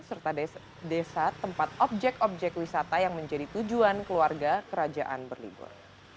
serta desa tempat objek objek wisata yang menjadi tujuan keluarga kerajaan berlibur